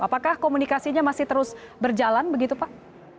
apakah komunikasinya masih terus berjalan begitu pak